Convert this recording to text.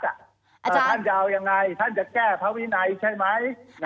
ถ้าท่านจะเอายังไงท่านจะแก้พระวินัยใช่ไหม